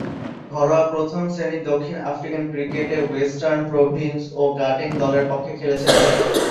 ঘরোয়া প্রথম-শ্রেণীর দক্ষিণ আফ্রিকান ক্রিকেটে ওয়েস্টার্ন প্রভিন্স ও গটেং দলের পক্ষে খেলেছেন তিনি।